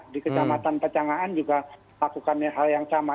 di kecamatan pecangaan juga lakukan hal yang sama